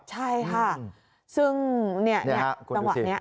ใช่ค่ะซึ่งเนี่ยตำรวจเนี่ย